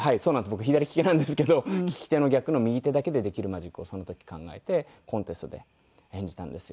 僕左利きなんですけど利き手の逆の右手だけでできるマジックをその時考えてコンテストで演じたんですよ。